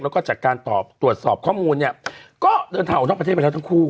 แล้วก็จากการตอบตรวจสอบข้อมูลเนี่ยก็เดินทางออกนอกประเทศไปแล้วทั้งคู่